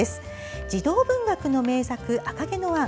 児童文学の名作「赤毛のアン」。